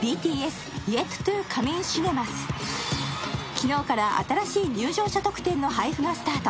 昨日から新しい入場者特典の配布がスタート。